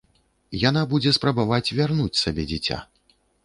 Яна будзе спрабаваць вярнуць сабе дзіця.